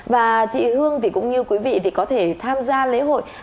và chị hương thì cũng như quý vị thì có thể tham gia lễ hội